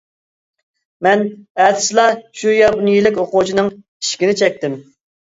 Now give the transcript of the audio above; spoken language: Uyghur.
مەن ئەتىسىلا شۇ ياپونىيەلىك ئوقۇغۇچىنىڭ ئىشىكىنى چەكتىم.